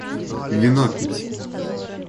Вино пить!